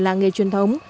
làng nghề truyền thống